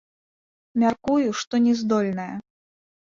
Мяркую, што не здольная.